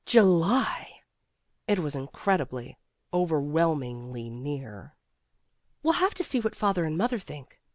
July! It was in credibly, overwhelmingly near. "We'll have to see what father and mother think.